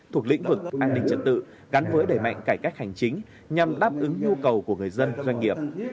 thuộc lĩnh vực an ninh trật tự gắn với đẩy mạnh cải cách hành chính nhằm đáp ứng nhu cầu của người dân doanh nghiệp